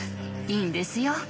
いいんですよ。